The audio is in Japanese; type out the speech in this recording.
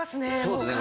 そうですね。